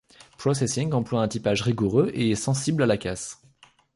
Processing emploie un typage rigoureux et est sensible à la casse.